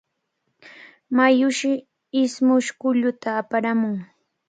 Mayushi ismush kulluta aparamun.